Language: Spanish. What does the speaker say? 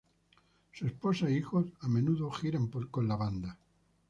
Su esposa e hijos a menudo giran con la banda.